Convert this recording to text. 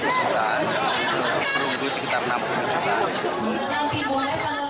perunggu sekitar enam ratus jutaan